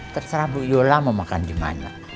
terserah bu yola mau makan di mana